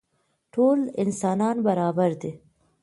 ټول انسانان برابر دي.